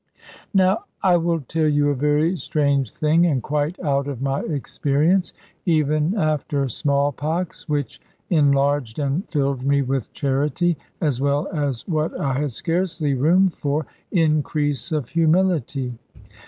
Now I will tell you a very strange thing, and quite out of my experience: even after small pox, which enlarged and filled me with charity, as well as what I had scarcely room for increase of humility.